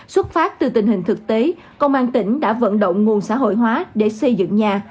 xuất phát từ tình hình thực tế công an tỉnh đã vận động nguồn xã hội hóa để xây dựng nhà